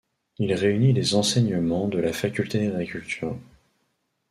Il réunit les enseignements de la faculté d'agriculture.